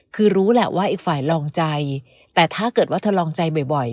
คือรู้แหละว่าอีกฝ่ายลองใจแต่ถ้าเกิดว่าเธอลองใจบ่อย